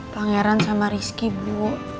pangeran sama rizky bu